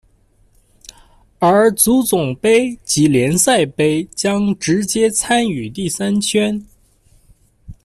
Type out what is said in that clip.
而足总杯及联赛杯将直接参与第三圈。